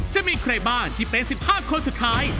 จะมีใครบ้างที่เป็น๑๕คนสุดท้าย